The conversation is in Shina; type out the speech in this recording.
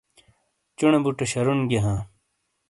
چُونے بُٹے شَرُون گِئیے ہاں۔